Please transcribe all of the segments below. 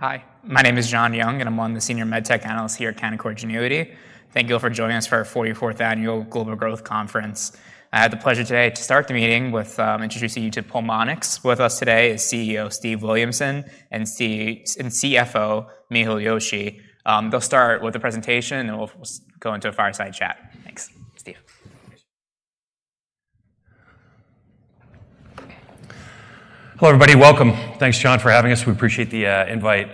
Hi, my name is John Young, and I'm one of the senior med tech analysts here at Canaccord Genuity. Thank you all for joining us for our forty-fourth Annual Global Growth Conference. I have the pleasure today to start the meeting with introducing you to Pulmonx. With us today is CEO Steve Williamson and CFO Mihir Joshi. They'll start with the presentation, and we'll go into a fireside chat. Thanks. Steve? Hello, everybody. Welcome. Thanks, John, for having us. We appreciate the invite.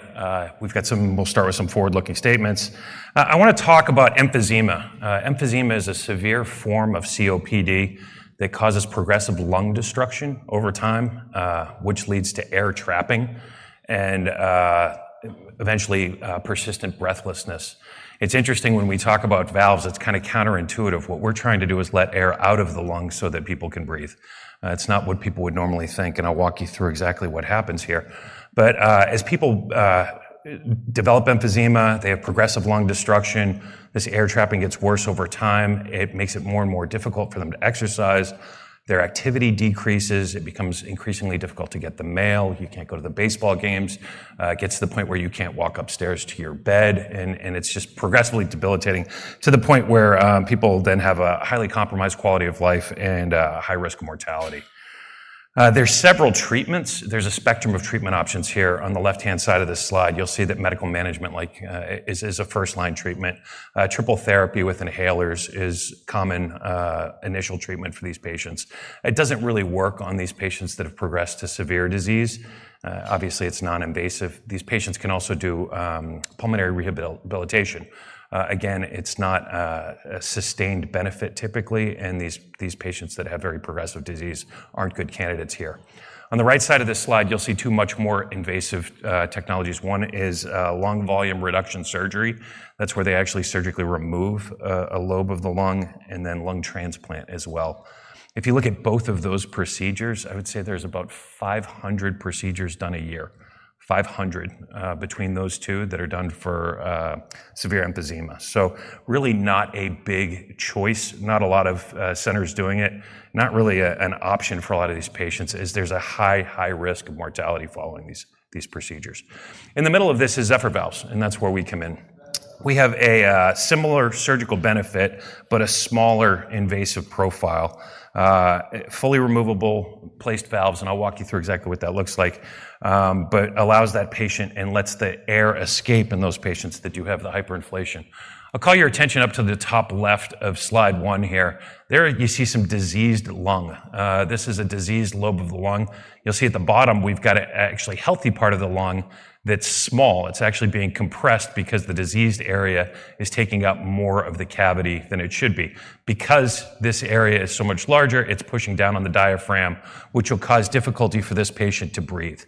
We'll start with some forward-looking statements. I wanna talk about emphysema. Emphysema is a severe form of COPD that causes progressive lung destruction over time, which leads to air trapping and eventually persistent breathlessness. It's interesting when we talk about valves, it's kind of counterintuitive. What we're trying to do is let air out of the lungs so that people can breathe. It's not what people would normally think, and I'll walk you through exactly what happens here. But as people develop emphysema, they have progressive lung destruction. This air trapping gets worse over time. It makes it more and more difficult for them to exercise. Their activity decreases. It becomes increasingly difficult to get the mail. You can't go to the baseball games. It gets to the point where you can't walk upstairs to your bed, and it's just progressively debilitating to the point where people then have a highly compromised quality of life and a high risk of mortality. There's several treatments. There's a spectrum of treatment options here. On the left-hand side of this slide, you'll see that medical management like is a first-line treatment. Triple therapy with inhalers is common initial treatment for these patients. It doesn't really work on these patients that have progressed to severe disease. Obviously, it's non-invasive. These patients can also do pulmonary rehabilitation. Again, it's not a sustained benefit, typically, and these patients that have very progressive disease aren't good candidates here. On the right side of this slide, you'll see two much more invasive technologies. One is lung volume reduction surgery. That's where they actually surgically remove a lobe of the lung, and then lung transplant as well. If you look at both of those procedures, I would say there's about 500 procedures done a year. 500 between those two that are done for severe emphysema. So really not a big choice, not a lot of centers doing it. Not really an option for a lot of these patients, as there's a high risk of mortality following these procedures. In the middle of this is Zephyr valves, and that's where we come in. We have a similar surgical benefit, but a smaller invasive profile. Fully removable placed valves, and I'll walk you through exactly what that looks like. But allows that patient and lets the air escape in those patients that do have the hyperinflation. I'll call your attention up to the top left of slide 1 here. There you see some diseased lung. This is a diseased lobe of the lung. You'll see at the bottom, we've got an actually healthy part of the lung that's small. It's actually being compressed because the diseased area is taking up more of the cavity than it should be. Because this area is so much larger, it's pushing down on the diaphragm, which will cause difficulty for this patient to breathe.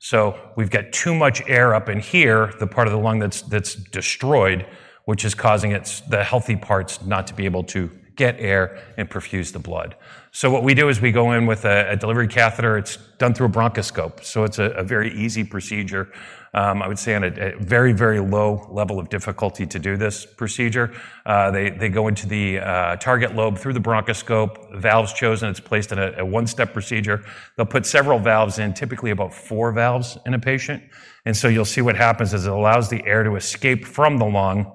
So we've got too much air up in here, the part of the lung that's destroyed, which is causing the healthy parts not to be able to get air and perfuse the blood. So what we do is we go in with a delivery catheter. It's done through a bronchoscope, so it's a very easy procedure. I would say on a very, very low level of difficulty to do this procedure. They go into the target lobe through the bronchoscope, valve's chosen, it's placed in a one-step procedure. They'll put several valves in, typically about four valves in a patient. And so you'll see what happens is it allows the air to escape from the lung,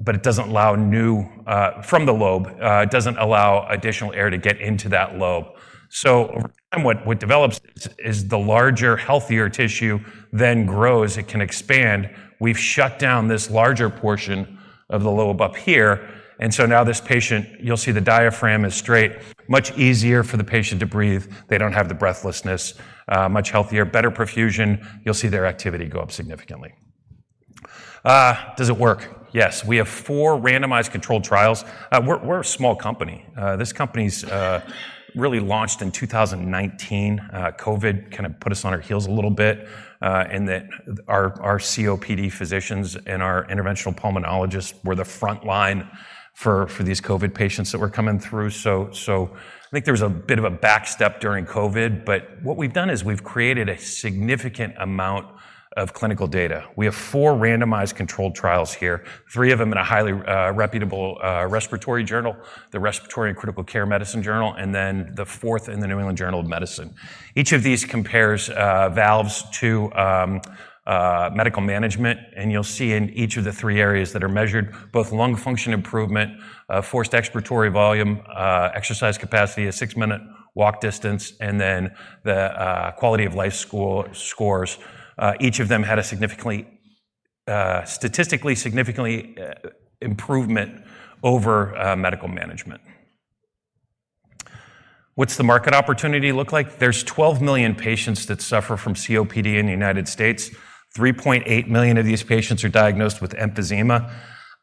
but it doesn't allow new from the lobe. It doesn't allow additional air to get into that lobe. So what develops is the larger, healthier tissue then grows, it can expand. We've shut down this larger portion of the lobe up here, and so now this patient, you'll see the diaphragm is straight. Much easier for the patient to breathe. They don't have the breathlessness, much healthier, better perfusion. You'll see their activity go up significantly. Does it work? Yes. We have four randomized controlled trials. We're a small company. This company really launched in 2019. COVID kind of put us on our heels a little bit, in that our COPD physicians and our interventional pulmonologists were the front line for these COVID patients that were coming through. So I think there was a bit of a backstep during COVID, but what we've done is we've created a significant amount of clinical data. We have four randomized controlled trials here, three of them in a highly reputable respiratory journal, the Respiratory and Critical Care Medicine Journal, and then the fourth in the New England Journal of Medicine. Each of these compares valves to medical management, and you'll see in each of the three areas that are measured, both lung function improvement, forced expiratory volume, exercise capacity, a six-minute walk distance, and then the quality of life scores. Each of them had a statistically significant improvement over medical management. What's the market opportunity look like? There's 12 million patients that suffer from COPD in the United States. 3.8 million of these patients are diagnosed with emphysema.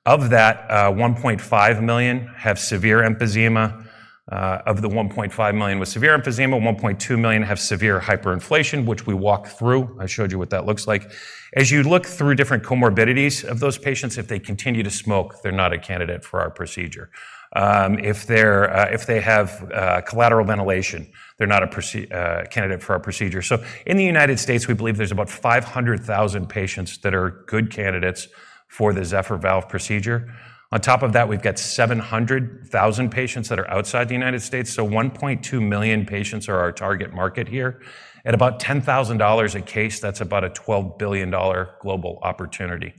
Of that, 1.5 million have severe emphysema. Of the 1.5 million with severe emphysema, 1.2 million have severe hyperinflation, which we walked through. I showed you what that looks like. As you look through different comorbidities of those patients, if they continue to smoke, they're not a candidate for our procedure. If they have collateral ventilation, they're not a candidate for our procedure. So in the United States, we believe there's about 500,000 patients that are good candidates for the Zephyr Valve Procedure. On top of that, we've got 700,000 patients that are outside the United States, so 1.2 million patients are our target market here. At about $10,000 a case, that's about a $12 billion global opportunity.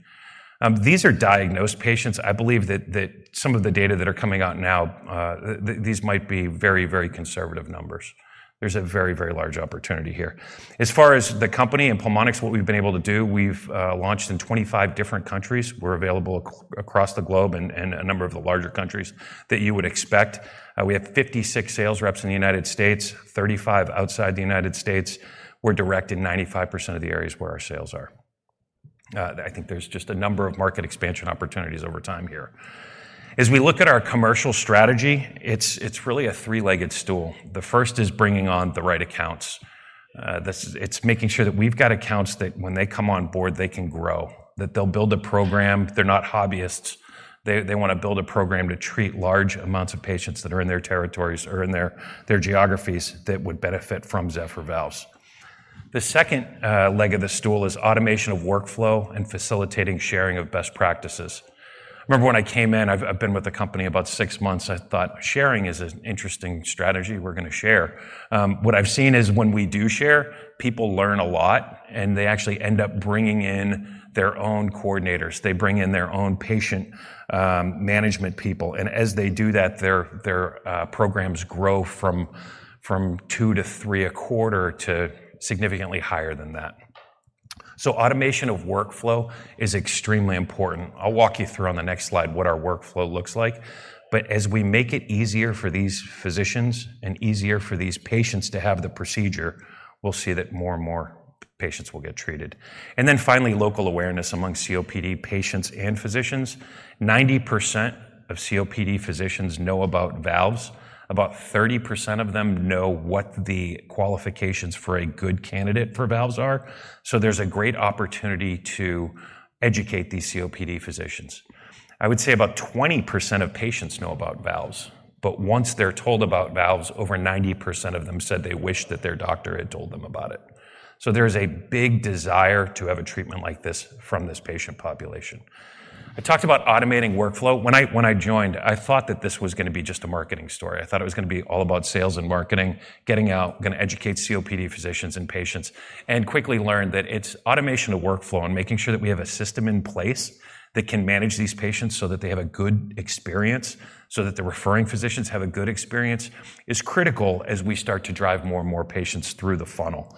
These are diagnosed patients. I believe that some of the data that are coming out now, these might be very, very conservative numbers. There's a very, very large opportunity here. As far as the company and Pulmonx, what we've been able to do, we've launched in 25 different countries. We're available across the globe and a number of the larger countries that you would expect. We have 56 sales reps in the United States, 35 outside the United States. We're direct in 95% of the areas where our sales are. I think there's just a number of market expansion opportunities over time here. As we look at our commercial strategy, it's really a three-legged stool. The first is bringing on the right accounts. This is. It's making sure that we've got accounts that when they come on board, they can grow, that they'll build a program. They're not hobbyists. They wanna build a program to treat large amounts of patients that are in their territories or in their geographies that would benefit from Zephyr Valves. The second leg of the stool is automation of workflow and facilitating sharing of best practices. I remember when I came in, I've been with the company about six months, I thought, sharing is an interesting strategy. We're gonna share. What I've seen is when we do share, people learn a lot, and they actually end up bringing in their own coordinators. They bring in their own patient management people, and as they do that, their programs grow from two to three a quarter to significantly higher than that. So automation of workflow is extremely important. I'll walk you through on the next slide what our workflow looks like. But as we make it easier for these physicians and easier for these patients to have the procedure, we'll see that more and more patients will get treated. And then finally, local awareness among COPD patients and physicians. 90% of COPD physicians know about valves. About 30% of them know what the qualifications for a good candidate for valves are. So there's a great opportunity to educate these COPD physicians. I would say about 20% of patients know about valves, but once they're told about valves, over 90% of them said they wished that their doctor had told them about it. So there's a big desire to have a treatment like this from this patient population. I talked about automating workflow. When I joined, I thought that this was gonna be just a marketing story. I thought it was gonna be all about sales and marketing, getting out, gonna educate COPD physicians and patients, and quickly learned that it's automation of workflow and making sure that we have a system in place that can manage these patients so that they have a good experience, so that the referring physicians have a good experience, is critical as we start to drive more and more patients through the funnel.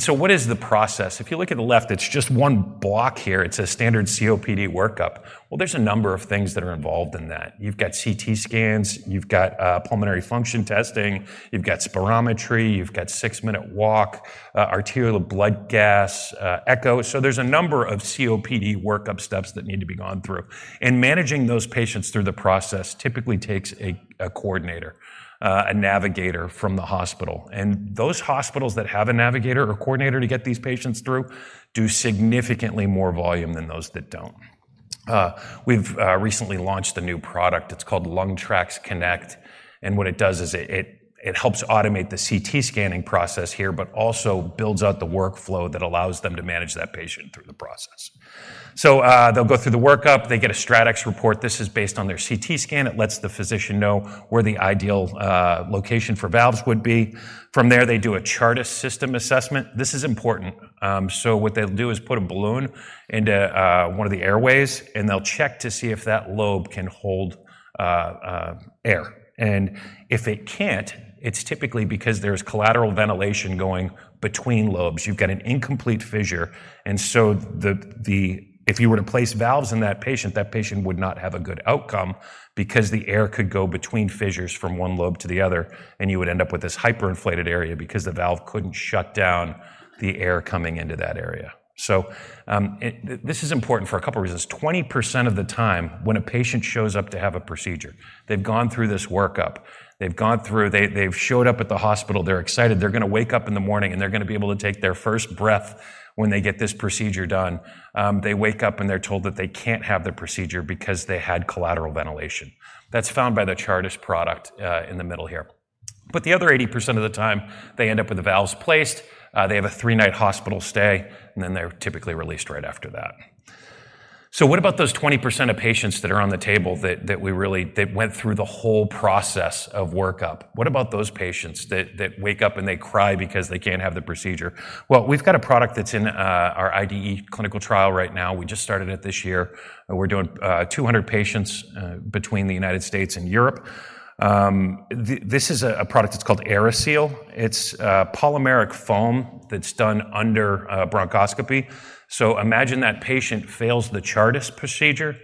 So what is the process? If you look at the left, it's just one block here. It's a standard COPD workup. Well, there's a number of things that are involved in that. You've got CT scans, you've got pulmonary function testing, you've got spirometry, you've got six-minute walk, arterial blood gas, echo. So there's a number of COPD workup steps that need to be gone through. Managing those patients through the process typically takes a coordinator, a navigator from the hospital. Those hospitals that have a navigator or coordinator to get these patients through do significantly more volume than those that don't. We've recently launched a new product. It's called LungTrax Connect, and what it does is it helps automate the CT scanning process here, but also builds out the workflow that allows them to manage that patient through the process. So, they'll go through the workup. They get a StratX report. This is based on their CT scan. It lets the physician know where the ideal location for valves would be. From there, they do a Chartis system assessment. This is important. So what they'll do is put a balloon into one of the airways, and they'll check to see if that lobe can hold air. And if it can't, it's typically because there's collateral ventilation going between lobes. You've got an incomplete fissure, and so if you were to place valves in that patient, that patient would not have a good outcome because the air could go between fissures from one lobe to the other, and you would end up with this hyperinflated area because the valve couldn't shut down the air coming into that area. So this is important for a couple of reasons. 20% of the time when a patient shows up to have a procedure, they've gone through this workup. They've gone through... They've showed up at the hospital. They're excited. They're gonna wake up in the morning, and they're gonna be able to take their first breath when they get this procedure done. They wake up, and they're told that they can't have the procedure because they had collateral ventilation. That's found by the Chartis product in the middle here. But the other 80% of the time, they end up with the valves placed. They have a three-night hospital stay, and then they're typically released right after that. So what about those 20% of patients that are on the table that we really – they went through the whole process of workup? What about those patients that wake up, and they cry because they can't have the procedure? Well, we've got a product that's in our IDE clinical trial right now. We just started it this year, and we're doing 200 patients between the United States and Europe. This is a product that's called AeriSeal. It's a polymeric foam that's done under bronchoscopy. So imagine that patient fails the Chartis procedure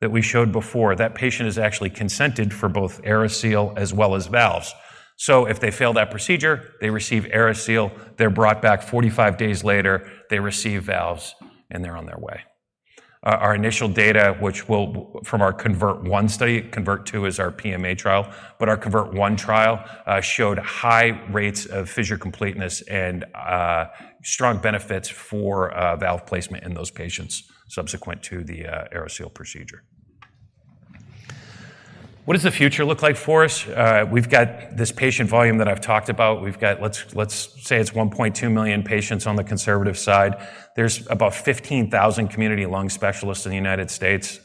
that we showed before. That patient is actually consented for both AeriSeal as well as valves. So if they fail that procedure, they receive AeriSeal. They're brought back 45 days later, they receive valves, and they're on their way. Our initial data from our CONVERT-1 study, CONVERT-2 is our PMA trial, but our CONVERT-1 trial showed high rates of fissure completeness and strong benefits for valve placement in those patients subsequent to the AeriSeal procedure. What does the future look like for us? We've got this patient volume that I've talked about. We've got, let's say it's 1.2 million patients on the conservative side. There's about 15,000 community lung specialists in the United States.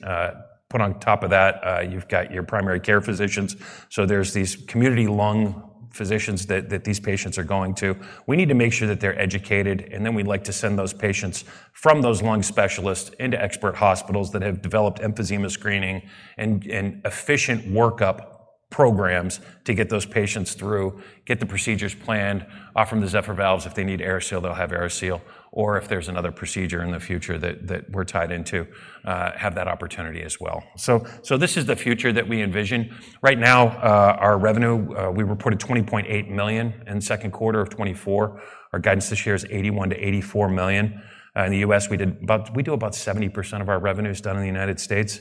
Put on top of that, you've got your primary care physicians. So there's these community lung physicians that these patients are going to. We need to make sure that they're educated, and then we'd like to send those patients from those lung specialists into expert hospitals that have developed emphysema screening and efficient workup programs to get those patients through, get the procedures planned, offer them the Zephyr Valves. If they need AeriSeal, they'll have AeriSeal, or if there's another procedure in the future that we're tied into, have that opportunity as well. So this is the future that we envision. Right now, our revenue, we reported $20.8 million in the second quarter of 2024. Our guidance this year is $81 million-$84 million. In the US, we do about 70% of our revenue in the United States.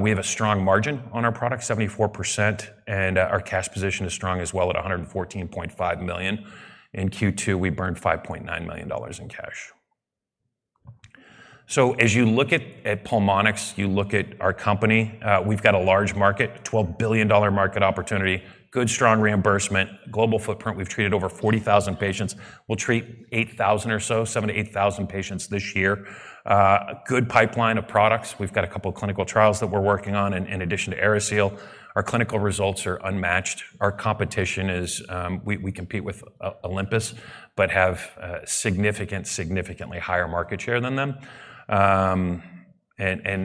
We have a strong margin on our product, 74%, and our cash position is strong as well at $114.5 million. In Q2, we burned $5.9 million in cash. So as you look at Pulmonx, our company, we've got a large market, $12 billion market opportunity, good, strong reimbursement, global footprint. We've treated over 40,000 patients. We'll treat 8,000 or so, 7,000-8,000 patients this year. A good pipeline of products. We've got a couple of clinical trials that we're working on in addition to AeriSeal. Our clinical results are unmatched. Our competition is we compete with Olympus, but have significantly higher market share than them. And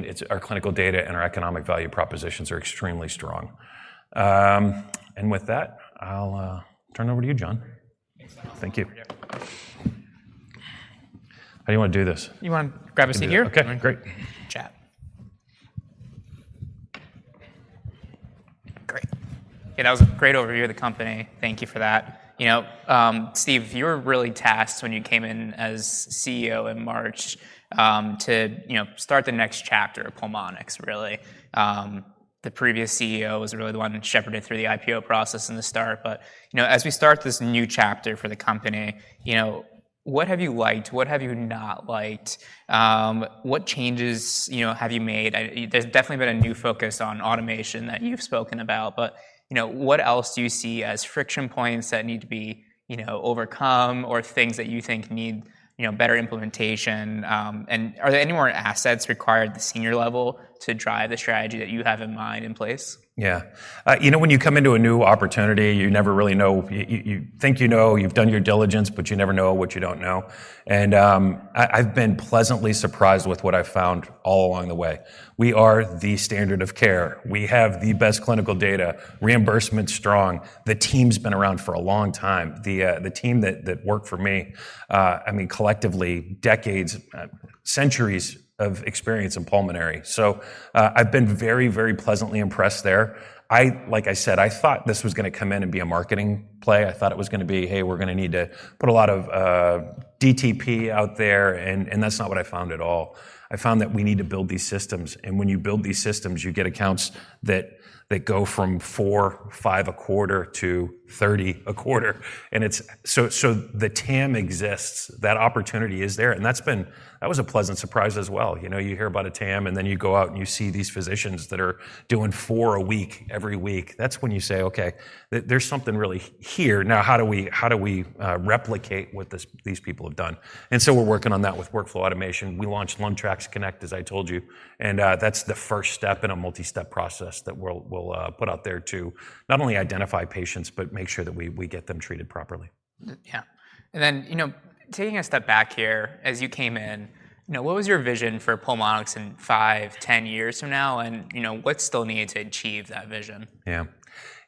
it's our clinical data and our economic value propositions are extremely strong. And with that, I'll turn it over to you, John. Thanks, Steve. Thank you. How do you want to do this? You want to grab a seat here? Okay, great. Chat. Great. Yeah, that was a great overview of the company. Thank you for that. You know, Steve, you were really tasked when you came in as CEO in March, to, you know, start the next chapter of Pulmonx, really. The previous CEO was really the one that shepherded through the IPO process in the start. But, you know, as we start this new chapter for the company, you know, what have you liked? What have you not liked? What changes, you know, have you made? There's definitely been a new focus on automation that you've spoken about, but, you know, what else do you see as friction points that need to be, you know, overcome or things that you think need, you know, better implementation? Are there any more assets required at the senior level to drive the strategy that you have in mind in place? Yeah. You know, when you come into a new opportunity, you never really know. You think you know, you've done your diligence, but you never know what you don't know. And, I've been pleasantly surprised with what I've found all along the way. We are the standard of care. We have the best clinical data. Reimbursement's strong. The team's been around for a long time. The team that worked for me, I mean, collectively, decades, centuries of experience in pulmonary. So, I've been very, very pleasantly impressed there. I, like I said, I thought this was gonna come in and be a marketing play. I thought it was gonna be, "Hey, we're gonna need to put a lot of DTP out there," and that's not what I found at all. I found that we need to build these systems, and when you build these systems, you get accounts that go from 4, 5 a quarter to 30 a quarter. And it's so the TAM exists, that opportunity is there, and that's been that was a pleasant surprise as well. You know, you hear about a TAM, and then you go out and you see these physicians that are doing 4 a week, every week. That's when you say, "Okay, there, there's something really here. Now, how do we replicate what these people have done?" And so we're working on that with workflow automation. We launched LungTrax Connect, as I told you, and that's the first step in a multi-step process that we'll put out there to not only identify patients but make sure that we get them treated properly. Yeah. And then, you know, taking a step back here, as you came in, you know, what was your vision for Pulmonx in 5, 10 years from now? And, you know, what's still needed to achieve that vision? Yeah.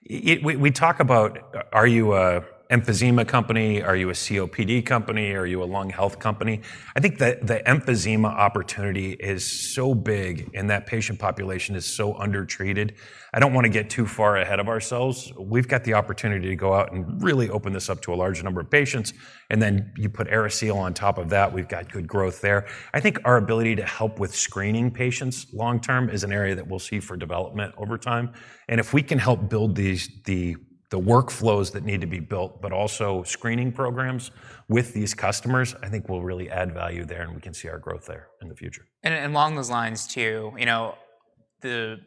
We talk about, are you a emphysema company? Are you a COPD company, or are you a lung health company? I think that the emphysema opportunity is so big, and that patient population is so undertreated. I don't want to get too far ahead of ourselves. We've got the opportunity to go out and really open this up to a large number of patients, and then you put AeriSeal on top of that. We've got good growth there. I think our ability to help with screening patients long term is an area that we'll see for development over time. And if we can help build these, the workflows that need to be built, but also screening programs with these customers, I think we'll really add value there, and we can see our growth there in the future. And along those lines, too, you know, the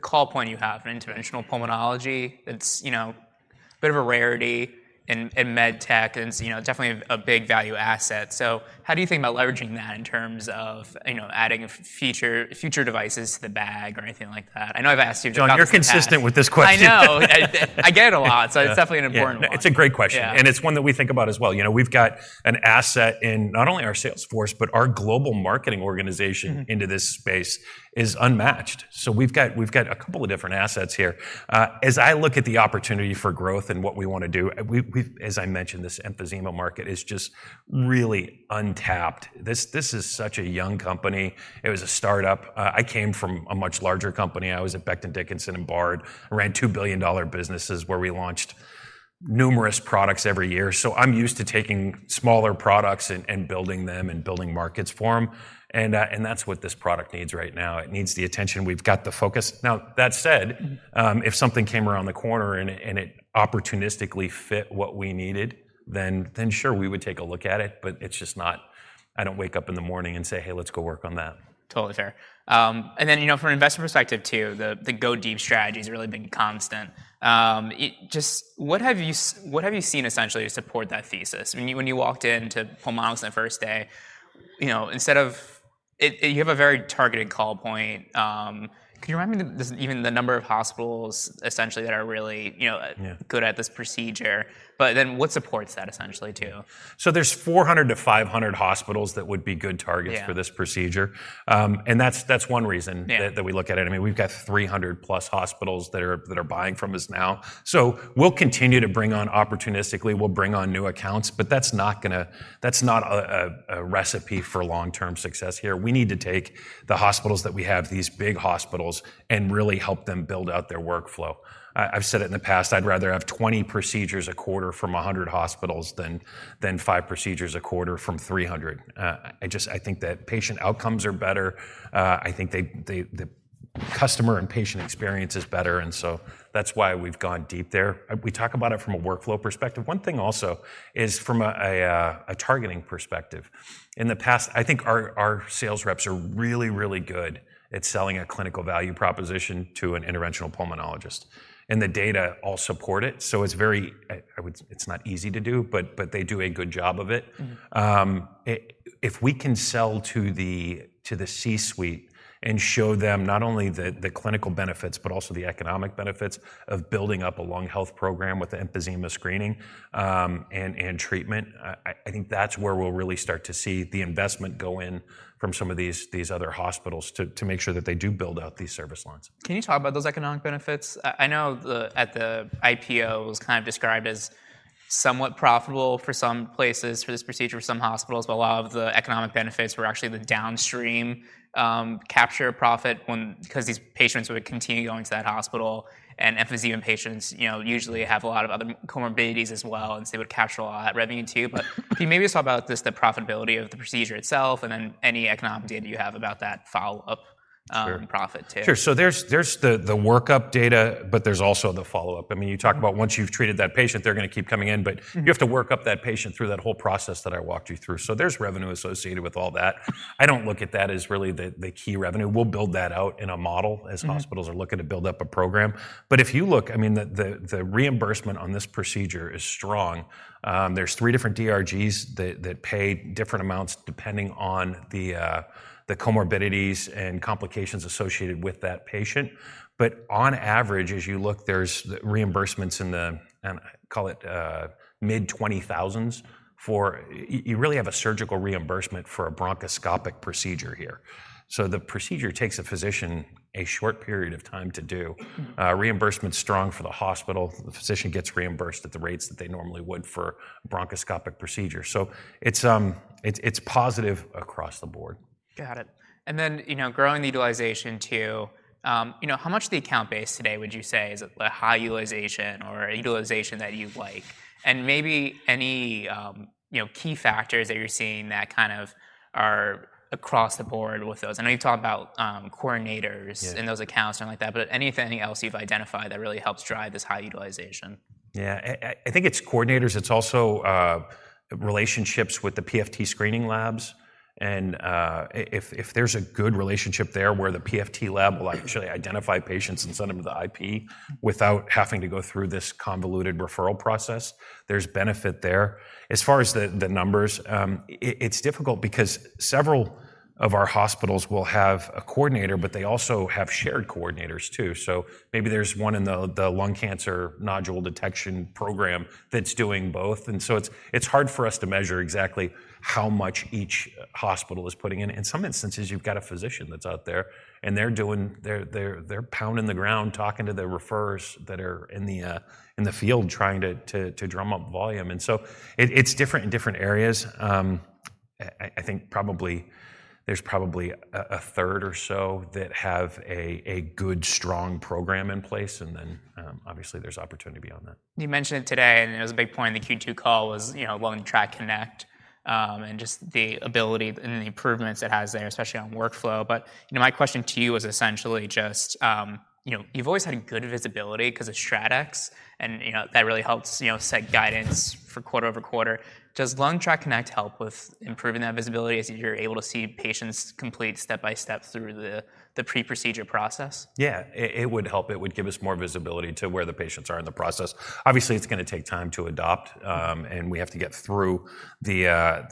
call point you have in interventional pulmonology, it's, you know, a bit of a rarity in med tech, and, you know, definitely a big value asset. So how do you think about leveraging that in terms of, you know, adding future devices to the bag or anything like that? I know I've asked you about this in the past. John, you're consistent with this question. I know. I, I get it a lot, so it's definitely an important one. It's a great question- Yeah... and it's one that we think about as well. You know, we've got an asset in not only our sales force, but our global marketing organization- Mm-hmm... into this space is unmatched. So we've got a couple of different assets here. As I look at the opportunity for growth and what we want to do, we've, as I mentioned, this emphysema market is just really untapped. This is such a young company. It was a startup. I came from a much larger company. I was at Becton Dickinson and Bard. I ran two $2 billion-dollar businesses where we launched numerous products every year. So I'm used to taking smaller products and building them and building markets for them, and that's what this product needs right now. It needs the attention. We've got the focus. Now, that said- Mm-hmm... if something came around the corner and it opportunistically fit what we needed, then sure, we would take a look at it. But it's just not. I don't wake up in the morning and say, "Hey, let's go work on that. Totally fair. And then, you know, from an investment perspective too, the go deep strategy has really been constant. It just what have you seen essentially to support that thesis? When you walked into Pulmonx on that first day, you know, instead of it, you have a very targeted call point. Can you remind me this even the number of hospitals, essentially, that are really, you know- Yeah... good at this procedure? But then what supports that essentially, too? So there's 400-500 hospitals that would be good targets- Yeah... for this procedure. That's, that's one reason- Yeah... that we look at it. I mean, we've got 300+ hospitals that are buying from us now. So we'll continue to bring on opportunistically, we'll bring on new accounts, but that's not gonna- that's not a recipe for long-term success here. We need to take the hospitals that we have, these big hospitals, and really help them build out their workflow. I've said it in the past, I'd rather have 20 procedures a quarter from 100 hospitals than five procedures a quarter from 300. I just... I think that patient outcomes are better. I think the customer and patient experience is better, and so that's why we've gone deep there. We talk about it from a workflow perspective. One thing also is from a targeting perspective. In the past, I think our sales reps are really, really good at selling a clinical value proposition to an interventional pulmonologist, and the data all support it, so it's very... I would, it's not easy to do, but they do a good job of it. Mm. If we can sell to the C-suite and show them not only the clinical benefits, but also the economic benefits of building up a lung health program with the emphysema screening, and treatment, I think that's where we'll really start to see the investment go in from some of these other hospitals, to make sure that they do build out these service lines. Can you talk about those economic benefits? I know the, at the IPO, it was kind of described as somewhat profitable for some places, for this procedure, for some hospitals, but a lot of the economic benefits were actually the downstream capture profit when, because these patients would continue going to that hospital, and emphysema patients, you know, usually have a lot of other comorbidities as well, and so they would capture a lot of that revenue, too. But can you maybe just talk about just the profitability of the procedure itself, and then any economic data you have about that follow-up? Sure... profit, too? Sure. So there's the work-up data, but there's also the follow-up. I mean, you talk about once you've treated that patient, they're gonna keep coming in, but- Mm... you have to work up that patient through that whole process that I walked you through. So there's revenue associated with all that. I don't look at that as really the key revenue. We'll build that out in a model- Mm... as hospitals are looking to build up a program. But if you look, I mean, the reimbursement on this procedure is strong. There's three different DRGs that pay different amounts depending on the comorbidities and complications associated with that patient. But on average, as you look, there's reimbursements in the, call it, mid-$20,000s for... You really have a surgical reimbursement for a bronchoscopic procedure here. So the procedure takes a physician a short period of time to do. Mm. Reimbursement's strong for the hospital. The physician gets reimbursed at the rates that they normally would for bronchoscopic procedure. So it's positive across the board. Got it. And then, you know, growing the utilization, too, you know, how much of the account base today would you say is at a high utilization or a utilization that you'd like? And maybe any, you know, key factors that you're seeing that kind of are across the board with those. I know you've talked about, coordinators- Yeah... and those accounts and like that, but anything, anything else you've identified that really helps drive this high utilization? Yeah. I think it's coordinators, it's also relationships with the PFT screening labs, and if there's a good relationship there, where the PFT lab will actually identify patients and send them to the IP without having to go through this convoluted referral process, there's benefit there. As far as the numbers, it's difficult because several of our hospitals will have a coordinator, but they also have shared coordinators, too. So maybe there's one in the lung cancer nodule detection program that's doing both, and so it's hard for us to measure exactly how much each hospital is putting in. In some instances, you've got a physician that's out there, and they're doing. They're pounding the ground, talking to the referrers that are in the field, trying to drum up volume. And so it's different in different areas. I think probably there's probably a third or so that have a good strong program in place, and then obviously there's opportunity beyond that. You mentioned it today, and it was a big point in the Q2 call, you know, LungTrax Connect, and just the ability and the improvements it has there, especially on workflow. But, you know, my question to you is essentially just, you know, you've always had good visibility, 'cause of StratX, and, you know, that really helps, you know, set guidance for quarter over quarter. Does LungTrax Connect help with improving that visibility, as you're able to see patients complete step by step through the pre-procedure process? Yeah, it would help. It would give us more visibility to where the patients are in the process. Obviously, it's gonna take time to adopt, and we have to get through the...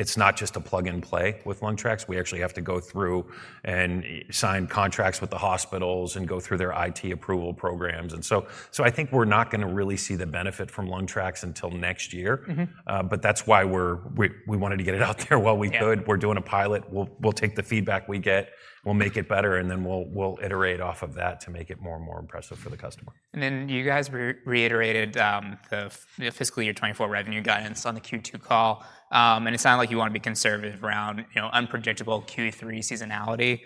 It's not just a plug and play with LungTrax. We actually have to go through and sign contracts with the hospitals and go through their IT approval programs, and so I think we're not gonna really see the benefit from LungTrax until next year. Mm-hmm. But that's why we wanted to get it out there while we could. Yeah. We're doing a pilot. We'll take the feedback we get, we'll make it better, and then we'll iterate off of that to make it more and more impressive for the customer. And then you guys reiterated the fiscal year 2024 revenue guidance on the Q2 call. And it sounded like you want to be conservative around, you know, unpredictable Q3 seasonality.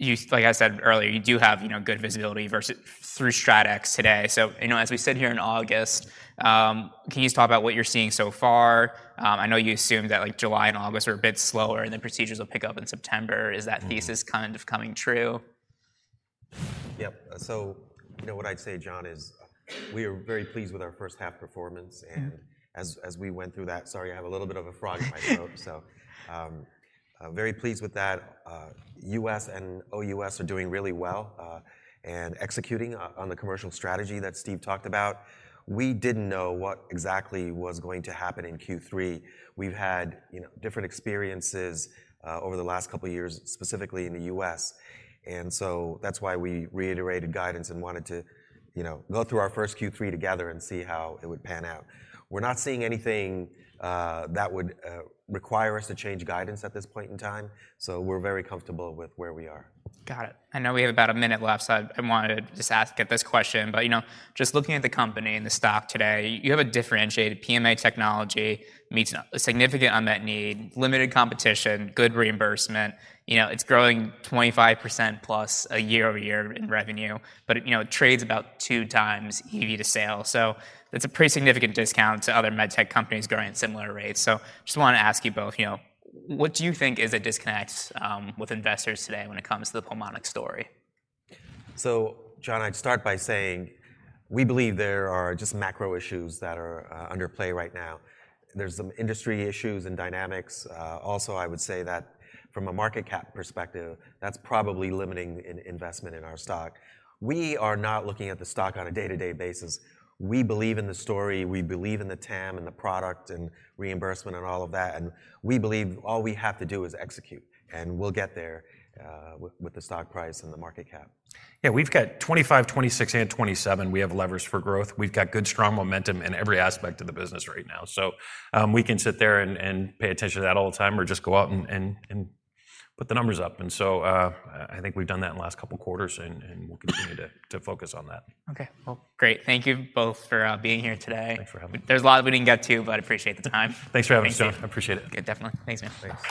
You, like I said earlier, you do have, you know, good visibility versus through StratX today. So, you know, as we sit here in August, can you just talk about what you're seeing so far? I know you assumed that, like, July and August are a bit slower, and then procedures will pick up in September. Mm. Is that thesis kind of coming true? Yep. So you know, what I'd say, John, is we are very pleased with our first half performance- Mm... and as we went through that... Sorry, I have a little bit of a frog in my throat. So, very pleased with that. US and OUS are doing really well, and executing on the commercial strategy that Steve talked about. We didn't know what exactly was going to happen in Q3. We've had, you know, different experiences over the last couple of years, specifically in the US, and so that's why we reiterated guidance and wanted to, you know, go through our first Q3 together and see how it would pan out. We're not seeing anything that would require us to change guidance at this point in time, so we're very comfortable with where we are. Got it. I know we have about a minute left, so I wanted to just ask, get this question. But, you know, just looking at the company and the stock today, you have a differentiated PMA technology, meets a significant unmet need, limited competition, good reimbursement. You know, it's growing 25%+ year-over-year in revenue, but, you know, it trades about 2x EV to sales. So it's a pretty significant discount to other med tech companies growing at similar rates. So just wanted to ask you both, you know, what do you think is a disconnect with investors today when it comes to the Pulmonx story? So, John, I'd start by saying we believe there are just macro issues that are underway right now. There's some industry issues and dynamics. Also, I would say that from a market cap perspective, that's probably limiting in investment in our stock. We are not looking at the stock on a day-to-day basis. We believe in the story, we believe in the TAM, and the product, and reimbursement, and all of that, and we believe all we have to do is execute, and we'll get there with the stock price and the market cap. Yeah, we've got 2025, 2026, and 2027, we have levers for growth. We've got good, strong momentum in every aspect of the business right now. So, we can sit there and pay attention to that all the time, or just go out and put the numbers up, and so, I think we've done that in the last couple of quarters, and we'll continue to focus on that. Okay. Well, great. Thank you both for being here today. Thanks for having me. There's a lot we didn't get to, but I appreciate the time. Thanks for having us, John. Thank you. I appreciate it. Yeah, definitely. Thanks, man. Thanks.